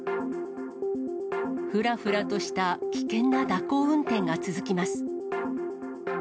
ふらふらとした危険な蛇行運転が続きます。